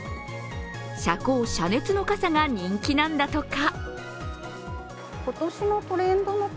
遮光遮熱の傘が人気なんだとか。